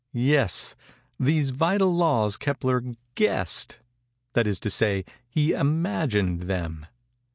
Yes!—these vital laws Kepler guessed—that is to say, he imagined them.